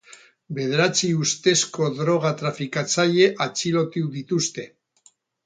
Bederatzi ustezko droga-trafikatzaile atxilotu dituzte.